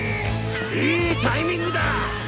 いいタイミングだ。